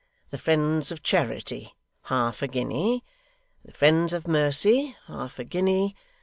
The Friends of Charity, half a guinea. The Friends of Mercy, half a guinea.